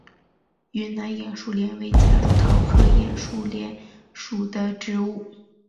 云南眼树莲为夹竹桃科眼树莲属的植物。